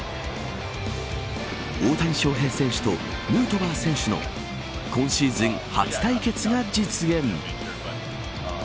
大谷翔平選手とヌートバー選手の今シーズン初対決が実現。